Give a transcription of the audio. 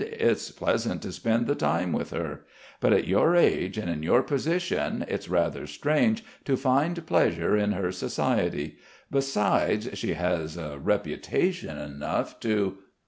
It's pleasant to spend the time with her. But at your age and in your position it's rather strange to find pleasure in her society.... Besides she has a reputation enough to...."